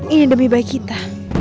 ini demi bayi kita